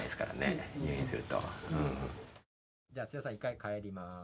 じゃあ土田さん一回帰ります。